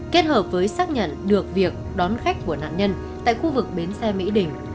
kết hợp với xác nhận được việc đón khách của nạn nhân tại khu vực bến xe mỹ đình